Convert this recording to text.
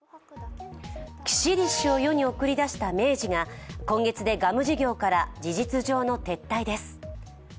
キシリッシュを世に送り出した明治が今月でガム事業から事実上の撤退です。